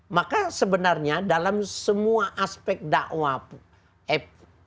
maka sebenarnya dalam semua aspek dakwah